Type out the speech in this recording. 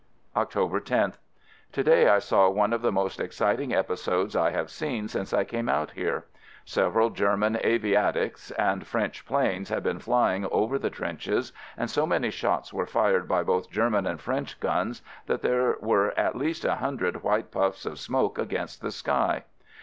October 10th. To day I saw one of the most excit ing episodes I have seen since I came out here. Several German aviatics and French planes had been flying over the trenches and so many shots were fired by both German and French guns that there were at least a hundred white puffs of smoke against the sky.